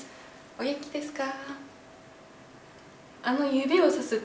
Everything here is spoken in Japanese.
お元気ですか？